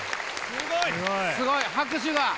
すごい拍手が！